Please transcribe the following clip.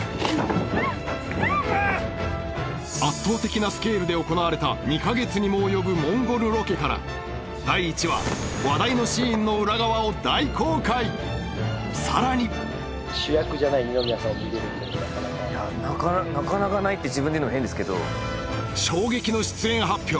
圧倒的なスケールで行われた２か月にも及ぶモンゴルロケから第１話話題のシーンの裏側を大公開さらにいやなかなかないって自分で言うのも変ですけど衝撃の出演発表